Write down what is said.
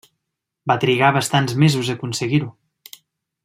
Va trigar bastants mesos a aconseguir-ho.